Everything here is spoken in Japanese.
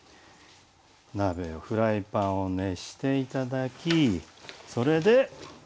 フライパンを熱して頂きそれで。